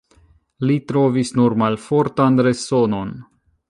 Li trovis nur malfortan resonon.